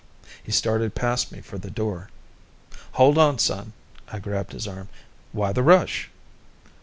He started past me for the door. "Hold on, son." I grabbed his arm. "Why the rush?"